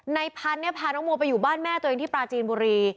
ในพันธุ์เนี่ยพาน้องโมไปอยู่บ้านแม่ตัวเองที่ปลาจีนบุรี